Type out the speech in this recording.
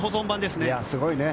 すごいね。